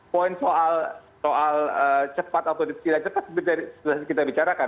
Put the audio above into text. poin soal cepat atau tidak cepat seperti sudah kita bicarakan